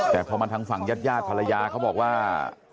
แต่พอมาทางฝั่งญาติญาติภรรยาเขาบอกว่า